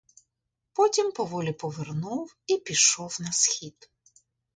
Потім поволі повернув і пішов на схід.